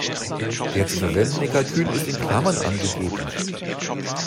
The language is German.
Der zu verwendende Kalkül ist in Klammern angegeben.